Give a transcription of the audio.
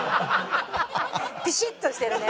ピシッとしてるね。